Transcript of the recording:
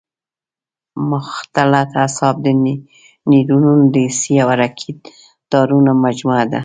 مختلط اعصاب د نیورونونو د حسي او حرکي تارونو مجموعه ده.